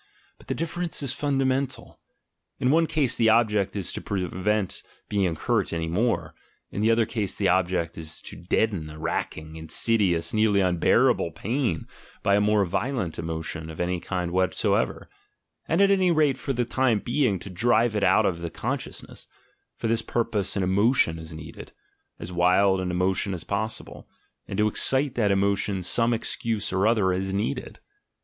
But the difference is fundamental. In one case the object is to prevent being hurt any more; in the other case the object is to deaden a racking, in sidious, nearly unbearable pain by a more violent emotion ASCETIC IDEALS 135 of any kind whatsoever, and at any rate for the time being to drive it out of the consciousness— for this pur pose an emotion is needed, as wild an emotion as pos sible, and to excite that emotion some excuse or other is needed.